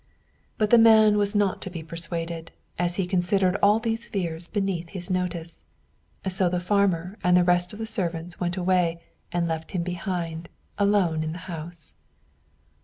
But the man was not to be persuaded, as he considered all these fears beneath his notice; so the farmer and the rest of the servants went away and left him behind, alone in the house.